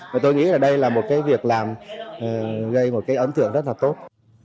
và tôi nghĩ là đây là một cái việc làm gây một cái ấn tượng rất là tốt